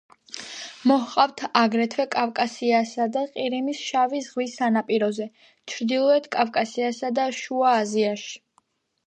მოჰყავთ აგრეთვე კავკასიასა და ყირიმის შავი ზღვის სანაპიროზე, ჩრდილოეთ კავკასიასა და შუა აზიაში.